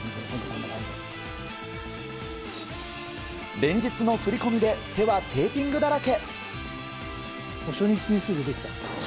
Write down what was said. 連日の振り込みで手はテーピングだらけ。